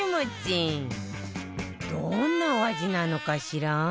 どんなお味なのかしら？